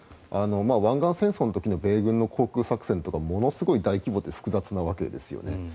湾岸戦争の時の米軍の航空作戦とかものすごい大規模で複雑なわけですよね。